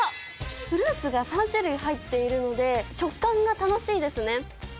フルーツが３種類入っているので食感が楽しいですね。